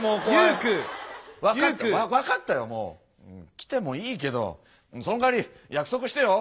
来てもいいけどそのかわり約束してよ。